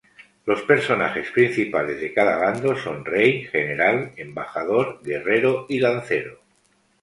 Los personajes principales de cada bando son rey, general, embajador, guerrero y lancero.